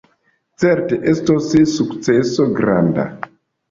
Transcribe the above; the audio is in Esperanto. Certe estos sukceso granda!